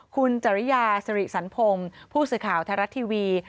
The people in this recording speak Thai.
คุณจริยาสิริสันพงศ์ผู้สื่อข่าวไทยรัฐทีวี